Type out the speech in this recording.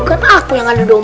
tapi kan aku yang adu domba